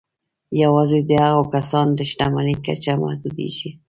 یوازې د هغو کسانو د شتمني کچه محدودېږي